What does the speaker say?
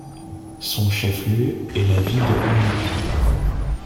Son chef-lieu est la ville de Ambo.